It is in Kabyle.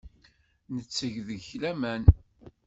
Netteg deg-k laman.